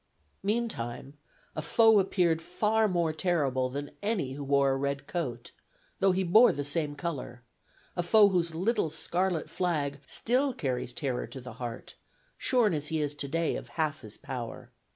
Meantime a foe appeared far more terrible than any who wore a red coat, though he bore the same color; a foe whose little scarlet flag still carries terror to the heart, shorn as he is today of half his power.